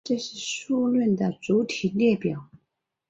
这是数论的主题列表。